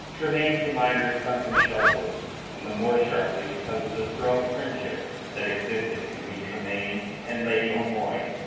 Tremayne's reminder stung him sharply, and the more sharply because of the strong friendship that existed between Tremayne and Lady O'Moy.